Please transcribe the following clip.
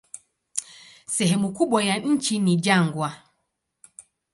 Sehemu kubwa ya nchi ni jangwa.